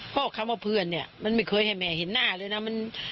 เพราะคำว่าเพื่อนเนี่ยมันไม่เคยให้แม่เห็นหน้าเลยนะ